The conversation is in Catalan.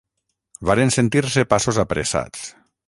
Varen sentir-se passos apressats